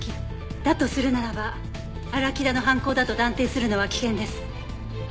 だとするならば荒木田の犯行だと断定するのは危険です。